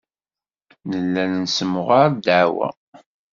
Nella nessemɣar ddeɛwa.